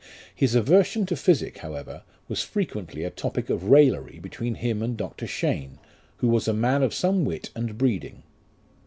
His aversion to physic, however, was frequently a topic of raillery between him and Dr. Cheyne, who was a man of some wit and breeding.